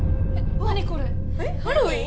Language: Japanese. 何これえっハロウィーン？